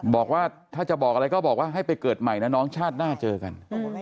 บอกว่าถ้าจะบอกอะไรก็บอกว่าให้ไปเกิดใหม่นะน้องชาติหน้าเจอกัน